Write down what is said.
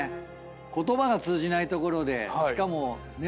言葉が通じない所でしかもね